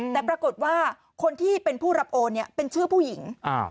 แต่ปรากฏว่าคนที่เป็นผู้รับโอนเนี่ยเป็นชื่อผู้หญิง